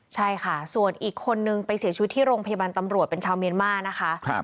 ใช่ค่ะส่วนอีกคนนึงไปเสียชีวิตที่โรงพยาบาลตำรวจเป็นชาวเมียนมานะคะ